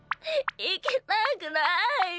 いきたくないよ。